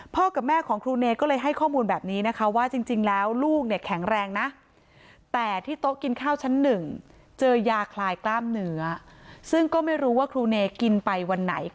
พอกับแม่ของครูเนสภาพก็เลยให้ข้อมูลแบบนี้นะคะว่าจริงแล้วลูกเนี่ยแข็งแรงนะ